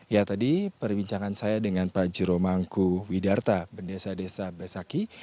ya tadi perbincangan saya dengan pak jero mangku widarta bendesa desa besaki